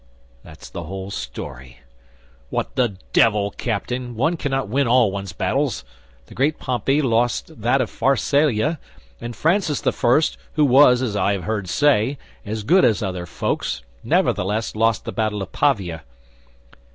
That's the whole story. What the devil, Captain, one cannot win all one's battles! The great Pompey lost that of Pharsalia; and Francis the First, who was, as I have heard say, as good as other folks, nevertheless lost the Battle of Pavia."